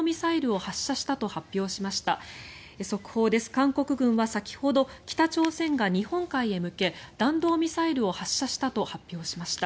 韓国軍は先ほど北朝鮮が日本海へ向け弾道ミサイルを発射したと発表しました。